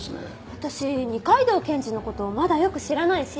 私二階堂検事の事まだよく知らないし。